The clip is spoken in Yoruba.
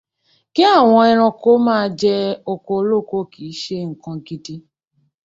Kí àwọn ẹranko máa jẹ oko olóko kìí ṣe nǹkan gidi